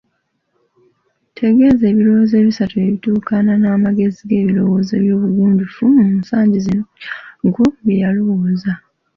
Tegeeza ebirowoozo ebisatu ebituukana n'amagezi g'ebirowoozo by'obugunjufu mu nsangi zino Kyabaggu bye yalowooza.